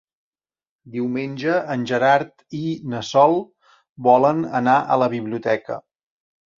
Diumenge en Gerard i na Sol volen anar a la biblioteca.